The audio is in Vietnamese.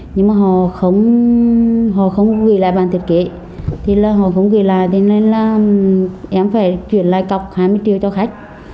nhưng mà họ không gửi lại bản thiết kế thì là họ không gửi lại cho nên là em phải chuyển lại cọc hai mươi triệu cho khách